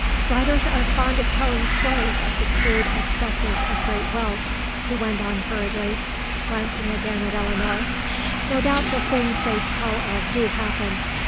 "Writers are fond of telling stories of the crude excesses of great wealth," he went on hurriedly, glancing again at Eleanor. "No doubt the things they tell of do happen.